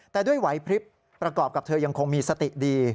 แต่ด้วยไหวพลิบประกอบกับเธอยังคงมีสติดี